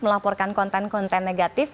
melaporkan konten konten negatif